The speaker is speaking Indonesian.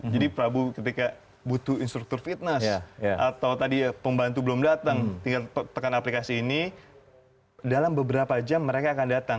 jadi prabu ketika butuh instruktur fitness atau tadi pembantu belum datang tinggal tekan aplikasi ini dalam beberapa jam mereka akan datang